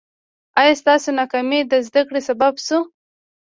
ایا ستاسو ناکامي د زده کړې سبب شوه؟